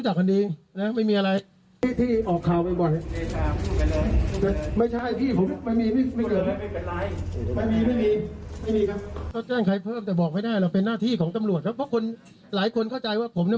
ค่ะอ่าลองฟังดูนะฮะ